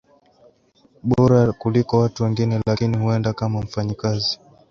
bora kuliko watu wengine lakini huenda kama mfanyakazi